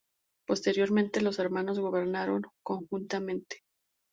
Posteriormente, los hermanos gobernaron conjuntamente.